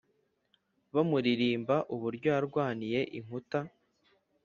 bamuririmba uburyo yarwaniye inkuta